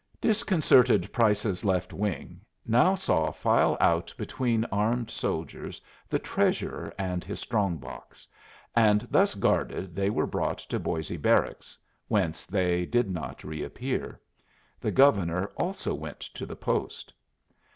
Disconcerted Price's Left Wing now saw file out between armed soldiers the Treasurer and his strong box; and thus guarded they were brought to Boisé Barracks, whence they did not reappear. The Governor also went to the post.